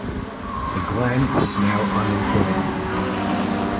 The glen is now uninhabited.